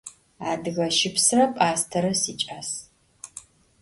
Adıge şıpsre p'astere siç'as.